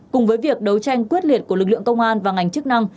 cùng với việc đấu tranh quyết liệt của lực lượng công an và ngành chức năng